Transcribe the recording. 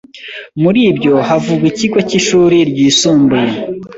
Muri byo havugwa ikigo cy’ishuri ryisumbuye